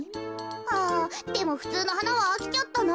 あでもふつうのはなはあきちゃったな。